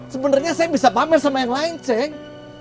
sebenarnya saya bisa pamer sama yang lain ceng